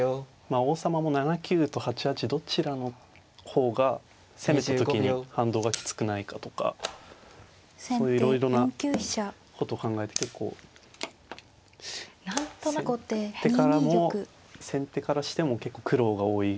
王様も７九と８八どちらの方が攻めた時に反動がきつくないかとかそういういろいろなことを考えて結構先手からしても結構苦労が多いですよね。